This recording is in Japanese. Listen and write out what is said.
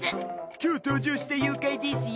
今日登場した妖怪ですよ。